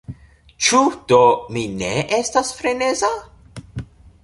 Ĉu do mi ne estas freneza?